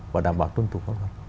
và đảm bảo tuân thủ pháp luật